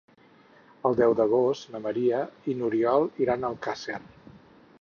El deu d'agost na Maria i n'Oriol iran a Alcàsser.